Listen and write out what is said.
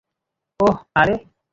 ওহ্, আরে।